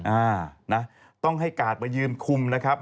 อ่านะต้องให้กาดมายืนคุมนะครับ